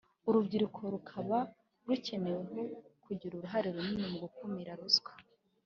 Urubyirko rukaba rukeneweho kugira uruhare runini mu gukumira ruswa